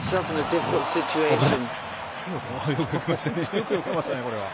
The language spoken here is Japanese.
よくよけましたね、これは。